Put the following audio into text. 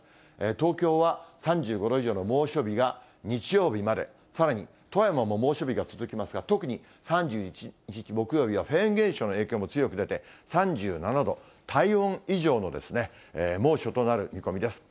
東京は３５度以上の猛暑日が日曜日まで、さらに富山も猛暑日が続きますが、特に３１日木曜日はフェーン現象の影響も強く出て、３７度、体温以上の猛暑となる見込みです。